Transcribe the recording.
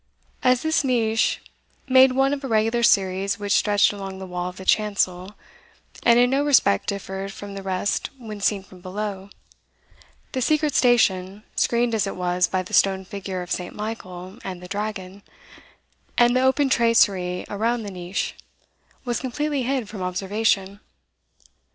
As this niche made one of a regular series which stretched along the wall of the chancel, and in no respect differed from the rest when seen from below, the secret station, screened as it was by the stone figure of St. Michael and the dragon, and the open tracery around the niche, was completely hid from observation.